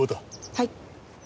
はい。